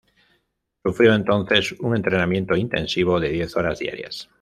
Sufrió entonces un entrenamiento intensivo de diez horas diarias.